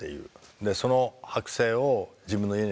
でその剥製を自分の家に飾っている。